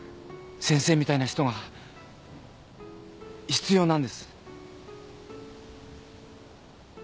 先生みたいな人が必要なんです。